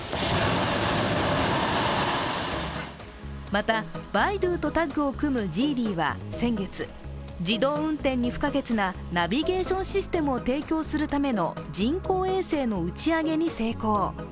また、バイドゥとタッグを組むジーリーは先月、自動運転に不可欠なナビゲーションシステムを提供するための人工衛星の打ち上げに成功。